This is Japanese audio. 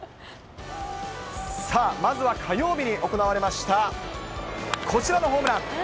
さあ、まずは火曜日に行われました、こちらのホームラン。